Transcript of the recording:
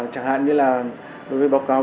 chẳng hạn như là đối với báo cáo